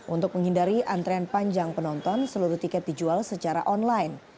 untuk menghindari antrean panjang penonton seluruh tiket dijual secara online